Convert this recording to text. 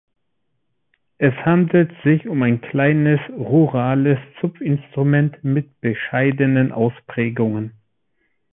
Es handelt sich um ein kleines rurales Zupfinstrument mit bescheidenen Ausprägungen.